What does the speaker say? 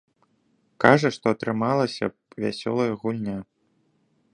Кажа, што атрымалася б вясёлая гульня.